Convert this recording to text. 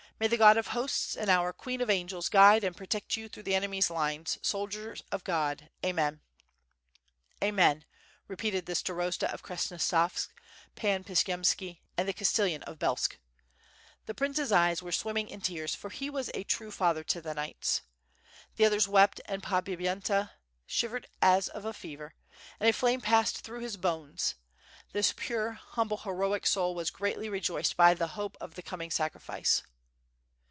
May the God of Hosts and our Queen of Angels guide and protect you through the enemy's lines, soldier of God, Amen." "Amen," repeated the Starosta of Krasnostavsk, Pan Pshi Yemski, and the Castellan of Belsk. The prince's eyes were swimming in tears, for he was a true father to the knights. The others wept, and Podbipy enta shivered as of a fever, and a flame passed through his bones; this pure, humble, heroic soul was greatly rejoiced by the hope of the coming sacrifice.